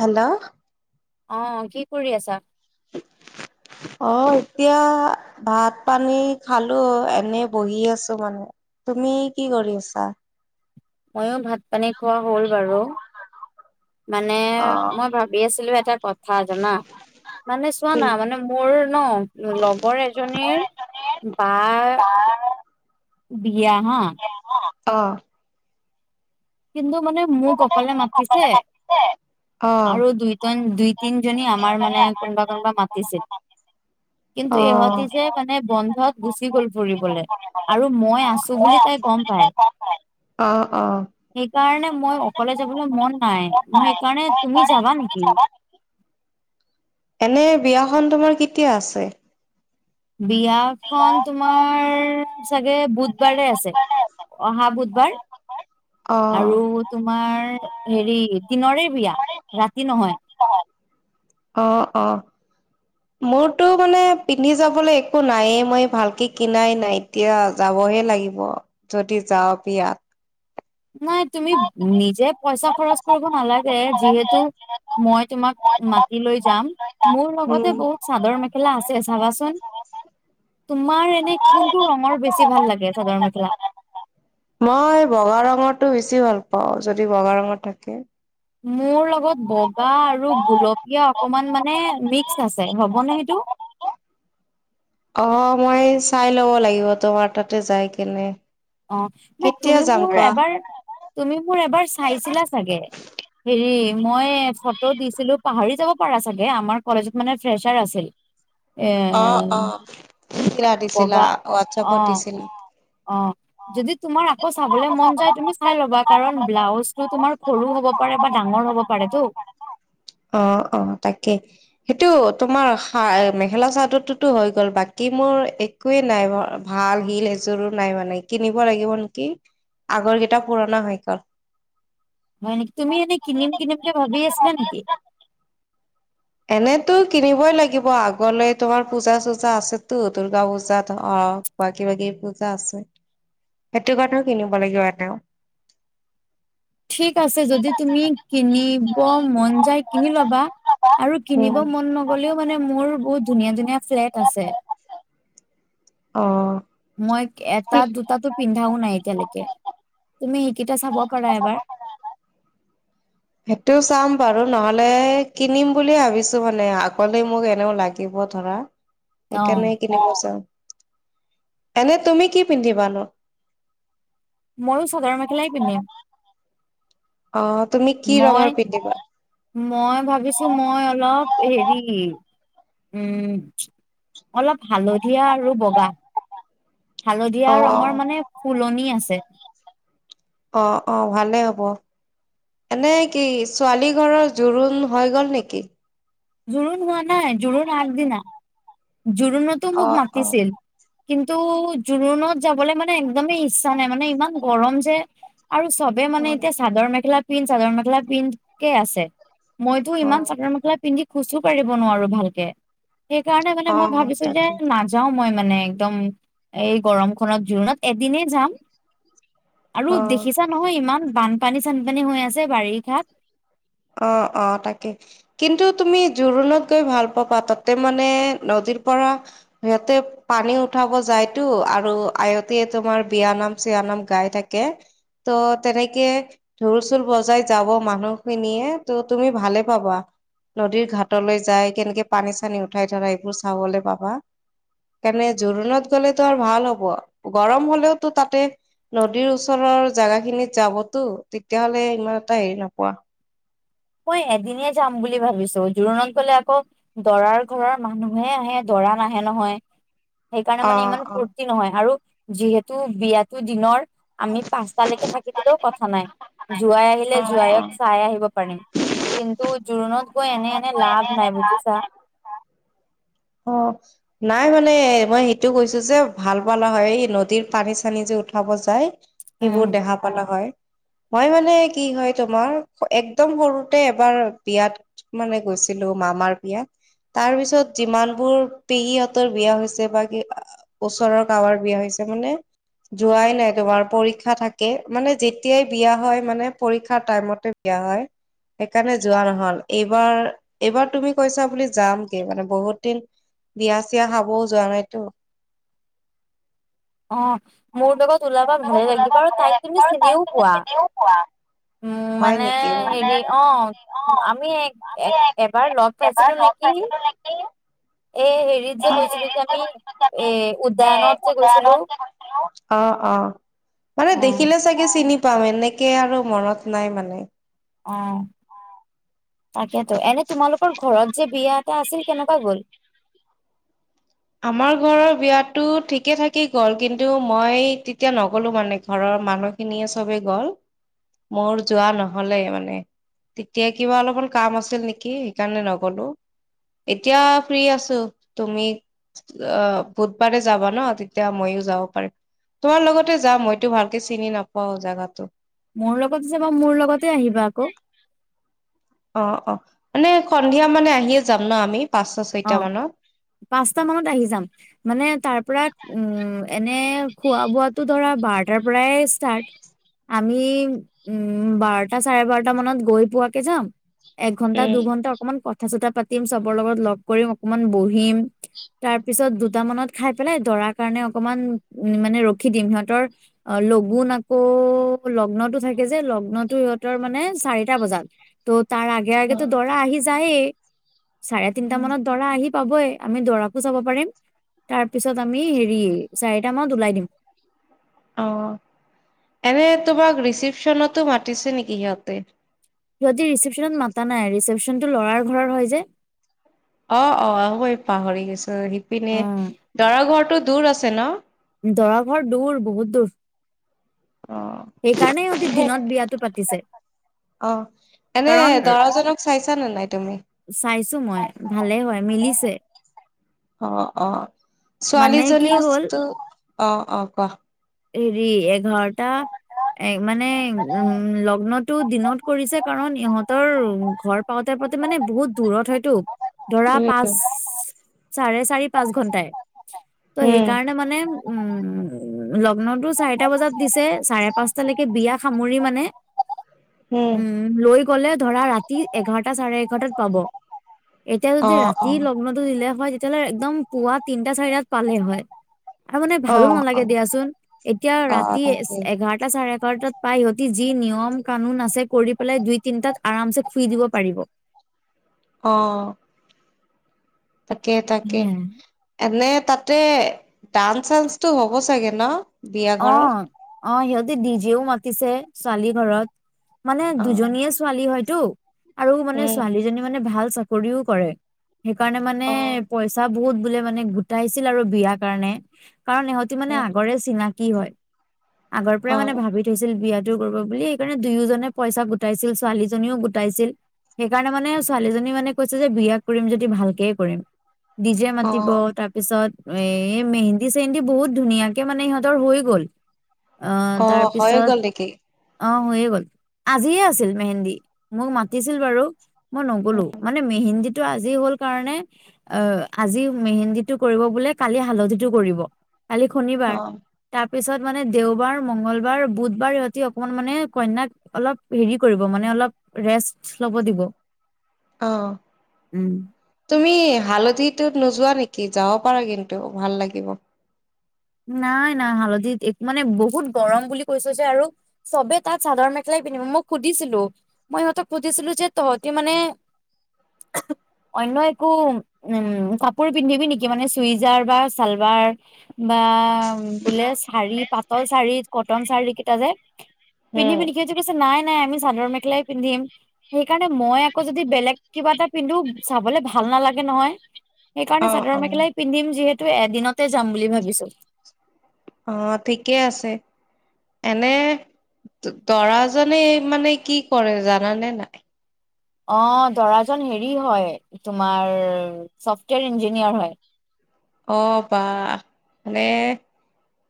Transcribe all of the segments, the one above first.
Hello অ কি কৰি আছা? [inaudible] অ এতিয়া ভাত পানী খালো এনেই বহি আছো মানে। তুমি কি কৰি আছা? ময়ো ভাত পানী খোৱা হ'ল বাৰু। মানে মই ভাবি আছিলো এটা কথা জানা, মানে চোৱানা মানে মোৰো ন লগৰ এজনীৰ বা বিয়া হা। অ। কিন্তু মানে মোক অকলে মাতিছে আৰু দুইজন দুই তিনজনী আমাৰ মানে কোনোবা কোনোবা মাতিছিল, কিন্তু অ অ ইহঁতি যে মানে বন্ধত গুচি গ'ল ফুৰিবলে, আৰু মই আছোঁ বুলি তাই গম পাই। অ অ। সেইকাৰণে মই অকলে যাবলে মন নাই, মই সেইকাৰণে তুমি যাবা নেকি? এনে বিয়াখন তোমাৰ কেতিয়া আছে? বিয়াখন তোমাৰ চাগে বুধবাৰে আছে অহা বুধবাৰ অ আৰু তোমাৰ হেৰি, দিনৰে বিয়া ৰাতি নহয়। অ অ। [inaudible] মোৰতো মানে পিন্ধি যাবলে একো নাইয়ে মই ভালকে কিনাই নাই এতিয়া। যাবহে লাগিব যদি যাওঁ বিয়াত নাই তুমি নিজে পইচা খৰচ কৰিব নালাগে, যিহেতু মই তোমাক মাতি লৈ যাম, মোৰ উম লগতে বহুত চাদৰ মেখেলা আছে, চাবাচোন। তোমাৰ এনে কোনটো ৰংৰ বেছি ভাল লাগে চাদৰ মেখেলা? মই বগা ৰঙটো বেছি ভাল পাওঁ, যদি বগা ৰঙৰ থাকে। মোৰ লগত বগা আৰু গুলপীয়া অকমান মানে মিক্স আছে, হ'বনে সেইটো। অ মই চাই ল'ব লাগিব, তোমাৰ তাতে যাই কেনে। অ, মানে কেতিয়া তুমি যাম মোৰ কোৱা এবাৰ, তুমি মোৰ এবাৰ চাইছিলা চাগে। হেৰি, মই ফটো দিছিলোঁ, পাহৰি যাব পাৰা চাগে আমাৰ কলেজত মানে ফ্ৰেচাৰ আছিল। এ দিছিলা দিছিলা বগা, অ। হোৱাটছএপত দিছিলা। অ, যদি তোমাৰ আকৌ চাবলে মন যায় তুমি চাই ল'বা কাৰণ ব্লাউজ টো তোমাৰ সৰু হ'ব পাৰে বা ডাঙৰ হ'ব পাৰেটো। অ অ তাকে। সেইটো তোমাৰা মেখেলা চাদৰতোতো হৈ গ'ল বাকী মোৰ এক একোৱে নাই, ভাল শিল এযোৰো নাই মানে কিনিব লাগিব নেকি। আগৰকেইটা পুৰণা হয় গ'ল। হয় নেকি, তুমি এনে কিনিম কিনিমকে ভাবি আছিলা নেকি? এনেতো কিনিবই লাগিব, আগলে তোমাৰ পূজা চূজা আছেতো দুৰ্গা পূজাত অ। কিবা কিবি পূজা আছে, সেইটো কাৰণেও কিনিব লাগিব এনেও। [inaudible] ঠিক আছে, যদি তুমি কিনিব মন যায় কিনি ল'বা। আৰু কিনিব উম। মন নগ'লেও মানে, মোৰ বহুত ধুনীয়া-ধুনীয়া ফ্লেট আছে। অ। মই এটা-দুটাতো পিন্ধাও নাই এতিয়ালৈকে, তুমি সেইকেইটা চাব পাৰা এবাৰ। সেইটো চাম বাৰু, নহ'লে কিনিম বুলি ভাবিছো মানে, আগলে মোক এনেও লাগ গিব ধৰা। অ সেইকাৰণে কিনিব যাম, এনে তুমি কি পিন্ধিবানো? ময়ো চাদৰ-মেখেলাই পিন্ধিম। অ, তুমি কি মই ৰঙৰ পিন্ধিবা? মই ভাবিছো, মই অলপ এ হেৰি উম, অলপ হালধীয়া আৰু বগা। হালধীয়া অ', অ'। ৰঙৰ মানে ফুলনি আছে। অ, অ, ভালেই হ'ব। এনেই কি ছোৱালী ঘৰৰ জোৰোণ হৈ গ'ল নেকি? জোৰণ হোৱা নাই, জোৰণ আগদিনা। জোৰণতো মোক অ', অ', মাতিছিল। কিন্তু জোৰোণত যাবলৈ মানে একদমেই ইচ্ছা নাই, মানে ইমান গৰম যে। আৰু চব বেই মানে অ', এতিয়া চাদৰ-মেখেলা পিন্ধ, চাদৰ-মেখেলা পিন্ধ কে আছে, মইতো ইমান অ', চাদৰ-মেখেলা পিন্ধি খোচো কাঢ়িব নোৱাৰো ভালকে, সেইকাৰণে মানে মই অ', ভাবিছো যে তাকে না যাওঁ মই মানে একদম এই গৰমখনত, জোৰোণত এদিনেই যাম আৰু অ'। দেখিছা নহয় ইমান বানপানী-চানপানী হৈ আছে বাৰিষাত। অ, অ, তাকে। কিন্তু তুমি জোৰোণত গৈ ভাল পাবা, তাতে মানে নদীৰ পৰা সিহতে পানী উঠাব যায়তো আৰু আয়তে তোমাৰ বিয়ানাম-চিয়ানাম গাই থাকে। ত', তেনেকে ঢোল-চুল বজাই যাব মানুহ গোপীনিয়ে ত, তুমি ভালে পাবা। নদীৰ ঘাটলৈ যাই, কেনেকে পানী-চানী উঠাই ধৰা, এইবোৰ চাবলৈ পাবা। কাৰণে জোৰোণত গ'লেতো আৰু ভাল হ'ব, গৰম হ'লেওতো তাতে নদীৰ ওচৰৰ জাগা খিনিত যাবটো, তেতিয়াহ'লে ইমান এটা হেৰি নোপোৱা। মই এদিনে যাম বুলি ভাবিছো, জোৰোণত গ'লে আকৌ দৰাৰ ঘৰৰ মানুহে আহে, দৰা নাহে নহয়। সেইকাৰণে মানে অ', ইমান অ'। ফূুৰ্তি নহয় আৰু যিহেতু বিয়াতো দিনৰ আমি পাঁচটালৈকে থাকি দিলেও কথা নাই, জোৱাই অ আহিলে জোৱাইক চাই আহিব পাৰিম। কিন্তু জোৰোণত গৈ এনে-এনে লাভ নাই, বুজিছা। অ। নাই মানে মই সেইটো কৈছো যে ভাল পালা হয়, এই নদীৰ পানী-চানী যে উঠাব যায়। সেইবোৰ উম দেখা পালা হয়। মই মানে কি হয় তোমাৰ, একদম সৰুতে এবাৰ বিয়াত মানে গৈছিলো, মামাৰ বিয়াত, তাৰ পিছত যিমান বোৰ পেহীহঁতৰ বিয়া হৈছে বা ওচৰৰ গাঁৱৰ বিয়া হৈছে মানে যোৱাই নাই। তোমাৰ পৰীক্ষা থাকে মানে যেতিয়াই বিয়া হয় মানে পৰীক্ষাৰ টাইমতে বিয়া হয়। সেইকাৰণে যোৱা নহ'ল, এইবাৰ, এইবাৰ তুমি কৈছা বুলি যাম, এইবাৰ বহুত দিন বিয়া-চিয়া খাবও যোৱা নাইতো। অ, মোৰ লগত ওলাবা, ভালে লাগিব আৰু তাইক তুমি চিনিও পোৱা। উম, হয় মানে নেকি বোলো হেৰি, অ। আমি এক এক এবাৰ লগ পাইছিলোঁ নেকি? এ, হেৰিত যে গৈছিলোঁ যে আমি এ উদয়ানত যে গৈছিলোঁ। অ অ', মানে দেখিলে চাগে চিনি পাম এনেকে আৰু মনত নাই মানে। অ', তাকেতো এনে তোমালোকৰ ঘৰত যে বিয়া এটা আছিল কেনেকুৱা গ'ল? আমাৰ ঘৰৰ বিয়াটো ঠিকে থাকেই গ'ল কিন্তু মই তেতিয়া নগ'লো মানে ঘৰৰ মানুহ খিনিয়ে চবে গ'ল মোৰ যোৱা নহ'লে মানে। তেতিয়া কিবা অলপমান কাম আছিল নেকি সেইকাৰণে নগ'লো। এতিয়া ফ্ৰী আছো তুমি আ, বুধবাৰে যাবা ন' তেতিয়া ময়ো যাব পাৰিম। তোমাৰ লগতে যাম মইতো ভালকে চিনি নাপাও জাগাটো। মোৰ লগতে যাবা মোৰ লগতে আহিবা আকৌ। অ', অ', মানে সন্ধিয়া মানে আহিয়ে যাম ন' আমি পাঁচটা অ চয়টা মানত? পাঁচটা মানত আহি যাম। মানে তাৰ পৰা উম, এনে খোৱা বোৱাটো ধৰা বাৰটাৰ পৰাই ষ্টাৰ্ট। আমি উম, বাৰটা চাৰে বাৰটা মানত গৈ পোৱাকে যাম। একঘন্টা উম দুঘণ্টা অকমান কথা চথা পাতিম, চবৰ লগত লগ কৰিম, অকমান বহিম। তাৰ পিছত দুটা মানত খাই পেলাই দৰাৰ কাৰণে অকমান উম, মানে ৰখি দিম, সিহঁতৰ আ, লগুোন আকৌ লগ্নতো থাকে যে লগ্নতো সিহঁতৰ মানে চাৰিটা বজাত। ত' তাৰ আগে অ আগেতো দৰা আহি যায়ে, চাৰে তিনটা উম মানত দৰা আহি পাবই আমি দৰাকো চাব পাৰিম, তাৰ পিছত আমি হেৰি চাৰিটা মানত ওলাই দিম। অ', এনে তোমাক ৰিচিপচনতো মাতিছে নেকি সিহঁতে? সিহঁতি ৰিচিপশ্যনত মাতা নাই ৰিচেপশ্যনটো ল'ৰাৰ ঘৰৰ হয় যে। অ', অ', হবই পাহৰি গেছো সিপিনে উম, দৰা ঘৰটো দূৰ আছে ন'? দৰা ঘৰ দূৰ বহুত দূৰ। অ সেইকাৰণে ইহঁতি দিনত বিয়াটো পাতিছে। অ', এনে দৰাজনক চাইছা না নাই তুমি? চাইছোঁ মই ভালে হয় মিলিছে। অ', অ', মানে কি হ'ল ছোৱালীজনীওটো অ', অ', কোৱাহ। এৰি এঘাৰটা এ, মানে উম, লগ্নতো দিনত কৰিছে কাৰণ ইহঁতৰ ঘৰ পাওঁতে পাওঁতে মানে বহুত দূৰত হয়তো। ধৰা পাঁচ উম চাৰে চাৰি পাঁচ ঘন্টাই, ত' উম সেইকাৰণ না মানে উম, লগ্নটো চাই তে বজাত দিছে চাৰে পাঁচটালৈকে বিয়া সামৰি মানে, উম। উম, লৈ গ'লে ধৰা ৰাতি এঘাৰটা চাৰে এঘাৰটাত পাব। এতিয়া অ যদি ৰাতি লগ্নটো দিলে হয়, তেতিয়াহ'লে একদম পুৱা তিনটা চাৰিটাত পালে হয়। আৰু মানে অ অ ভালো অ নালাগে দিয়াচোন এতিয়া অ ৰাতি এছ তাকে এক এঘাৰটা চাৰে এঘাৰটাত পাই সিহতি যি নিয়ম কানুন আছে কৰি পেলাই, দুই তিনটাত আৰাম চে শুই দিব পাৰিব। অ'। তাকে তাকে, হে, এনে তাতে ডান্স চাঞ্চটো হ'ব চাগে ন'? বিয়া ঘৰত অ', অ', সিহঁতে ডিজেও মাতিছে ছোৱালী ঘৰত, মানে অ দুজনীয়েচ ছোৱালী হয়তো আৰু মানে উম ছোৱালীজনী মানে ভাল চাকৰিও কৰে। সেইকাৰণে মানে অ পইচ চা বহুত বোলে মানে গোটাইছিল আৰু বিয়া কাৰণে কাৰণ ইহঁতি মানে অ আগৰে চিনা কি হয় আগৰ পৰাই অ মানে ভাবি উঠৈছিল বিয়াটো কৰিব বুলি সেইকাৰণে দুয়োজনে পইচা গোটাইছিল। ছোৱালীজনীও গোটাইছিল। সেইকাৰণে মানে ছোৱালীজনী মানে কৈছে যে বিয়া কৰিম যদি ভালকে কৰিম। ডিজে অ মাতিব তাৰ পিছত এ মেহেন্দী-চেহেন্দী বহুত ধুনীয়াকে মানে সিহঁত সিহঁতৰ হৈ গ'ল। অঁ অ তাৰ হৈ পিছত গ'ল নেকি অঁ হৈয়ে গ'ল। আজিয়ে আছিল মেহেন্দী মোক মাতিছিল বাৰু। মই নগ'লো মানে মেহেন্দীটো আজি হ'ল কাৰণে অ আজি মেহেন্দীটো কৰিব বোলে কালি হালধিটো কৰিব কালি অ শনিবাৰ। তাৰ পিছত মানে দেওবাৰ, মংগলবাৰ, বুধবাৰ সিহঁতি অকমান মানে কন্যাক অলপ হেৰি কৰিব মানে অলপ ৰেষ্ট ল'ব দিব। অঁ। উম। তুমি হালধিটোত নোযোৱা নেকি যাব পাৰা কিন্তু ভাল লাগিব। নাই-নাই হালধিত এক মানে বহুত গৰম বুলি কৈছে যে আৰু। চবে তাত চাদৰ মেখেলাই পিন্ধিব মই সুধিছিলোঁ। মই সিহঁতক সুধিছিলোঁ যে তহঁতি মানে অন্য একো উম কাপোৰ পিন্ধিবি নেকি মানে চুইজাৰ বা চালবাৰ বা বোলে শাৰী পাতল শাৰী কটন শাৰী কেইটা যে পিন্ধি উম নিকি? সিহঁতি কৈছে নাই-নাই আমি চাদৰ মেখেলাই পিন্ধিম। সেইকাৰণে মই আকৌ যদি বেলেগ কিবা এটা পিন্ধো চাবলে ভাল নালাগে নহয়। সেইকাৰণে অ চাদৰ অ মেখেলাই পিন্ধিম যিহেতু এদিনতে যাম বুলি ভাবিছোঁ। অঁ ঠিকে আছে। এনে দৰাজনে মানে কি কৰে জানানে নাই? অঁ দৰাজন হেৰি হয় তোমাৰ চফ্টৱেৰ ইঞ্জিনিয়াৰ হয়। অ বা মানে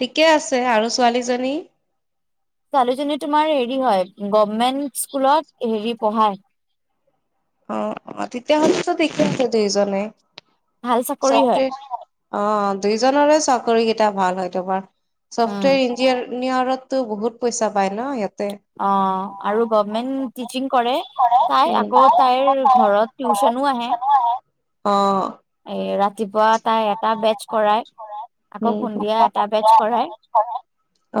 ঠিকে আছে। আৰু ছোৱালীজনী? ছোৱালীজনী তোমাৰ হেৰি হয় গভমেন্ট স্কুলত হেৰি পঢ়ায়। অঁ-অঁ! তেতিয়া হ'লেটো ঠিকে আছে দুইজনে। ভাল চাকৰি হয় চফ্টৱেৰ অঁ দুইজৰে চাকৰিকেইটা ভাল হয় তোমাৰ। উম চফ্টৱেৰ ইন [unintelligible] নিয়াৰতো বহুত পইচা পায় ন সিহঁতে। অঁ আৰু গভমেন্ট টিচিং কৰে তাই উম আকৌ তাইৰ ঘৰত টিউচনো আহে। অঁ! এ ৰাতিপুৱা তাই এটা বেটচ কৰায়। উম [unintelligible] অ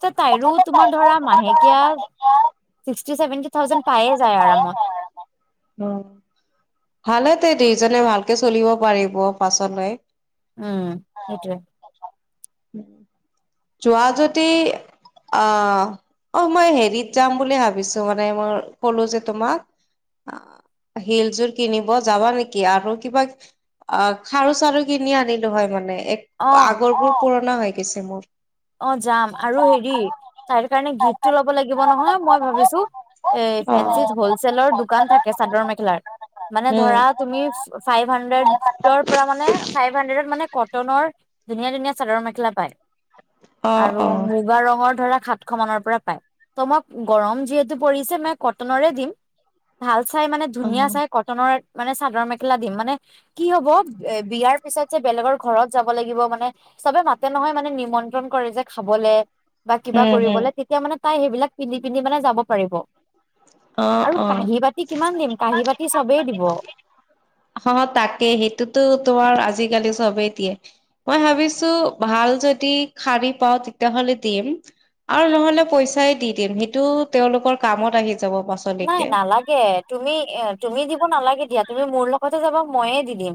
ত তাইয়ো তোমাৰ ধৰা মাহেকীয়া ছিক্সটি-ছেভেনটি থাউজেড পায়ে যায় আৰামত। উম [inaudible] ভালে দে দুজনে ভালকে চলিব পাৰিব পাছলৈ। উম! সেইটোৱে। যোৱা যদি অ! অঁ মই হেৰিত যাম বুলি ভাবিছোঁ মানে মই ক'লো যে তোমাক [unintelligible] শিলযোৰ কিনিব যাবা নেকি আৰু কিবা অ খাৰু-চাৰু কিনি আনিলো হয় মানে এক অ আগৰবোৰ পুৰণা হৈ গৈছে মোৰ। অঁ যাম আৰু হেৰি তাইৰ কাৰণে গিফ্টটো লব লাগিব নহয় মই ভাবিছোঁ এ অ। ফ্ৰেন্সিত হলচেলৰ দোকান থাকে চাদৰ মেখেলাৰ। মানে ধৰা উম তুমি ফাইভ হানড্ৰেড [unintelligible] ৰ পৰা মানে ফাইভ হানড্ৰেডত মানে কটনৰ ধুনীয়া-ধুনীয়া চাদৰ মেখেলা পায়। অ আৰু অ মুগা ৰঙৰ ধৰা সাতশ মানৰ পৰা পায়। তমাক গৰম যিহেতু পৰিছে। মই কটনৰে দিম ভাল চাই মানে ধুনীয়া উম চাই কটনৰ মানে চাদৰ মেখেলা দিম মানে কি হব বিয়াৰ পিছত যে বেলেগৰ ঘৰত যাব লাগিব। মানে চবে মাতে নহয় মানে নিমন্ত্ৰ ন কৰে। যে খাবলে বা কিবা হম হম কৰিবলে তেতিয়া মানে তাই সেইবিলাক পিন্ধি পিন্ধি মানে যাব পাৰিব। অ আৰু অ। কাঁহী বাতি কিমান দিম কাঁহী বাতি চবেই দিব। অ', তাকে সেইটোতো তোমাৰ আজিকালি চবেই দিয়ে। মই ভাবিছো ভাল যদি শাৰী পাওঁ তেতিয়াহলে দিম। আৰু নহলে পইচাই দি দিম। সিটো তেওঁওলোকৰ কামত আহি যাব বাচ নাই। নালাগে। তুমি তুমি দিব নালাগে দিয়া। তুমি মোৰ লগতে যাবা ময়ে দি দিম।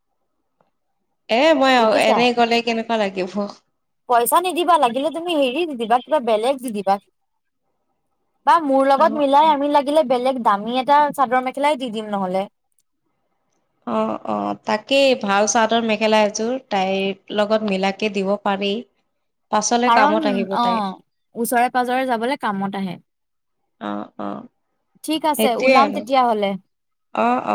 [inaudible] এ মই বুজিছা এনেই গলে কেনেকুৱা লাগিব। পইচা নিদিবা লাগিলে। তুমি হেৰি দি দিবা কিবা বেলেগ দি দিবা। বা মোৰ লগত মিলাই আমি লাগিলে বেলেগ দামী এটা চাদৰ মেখেলাই দি দিম নহলে। অ', অ, তাকেই ভাল চাদৰ মেখেলা এযোৰ তাইৰ লগত মিলাকে দিব পাৰি। পাছলে কাৰণ কামত আহিব তাইৰ অ', ওচৰে পাজৰে যাবলৈ কামত আহে। অ অ ঠিক আছে। সেইটোয়ে ওলাম আৰু তেতিয়াহলে। অ', অ,